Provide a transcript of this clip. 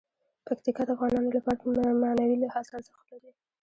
پکتیکا د افغانانو لپاره په معنوي لحاظ ارزښت لري.